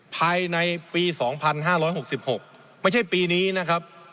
ภายในปีสองพันห้าร้อยหกสิบหกไม่ใช่ปีนี้นะครับ